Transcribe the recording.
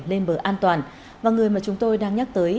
lên bờ an toàn và người mà chúng tôi đang nhắc tới